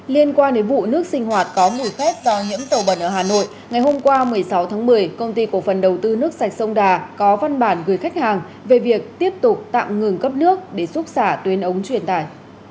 liên quan đến vụ nước sinh hoạt có mùi khét do nhiễm dầu bẩn ở hà nội ngày hôm qua một mươi sáu tháng một mươi công ty cổ phần đầu tư nước sạch sông đà có văn bản gửi khách hàng về việc tiếp tục tạm ngừng cấp nước để giúp xả tuyến ống truyền tải